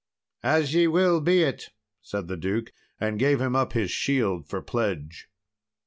"As ye will be it," said the duke; and gave him up his shield for pledge.